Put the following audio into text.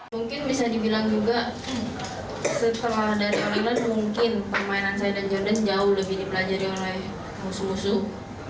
mungkin bisa dibilang juga setelah dari all england mungkin permainan saya dan jordan jauh lebih dipelajari oleh musuh musuh